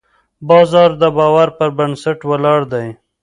بازار د باور پر بنسټ ولاړ دی.